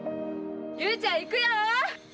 雄ちゃん行くよ！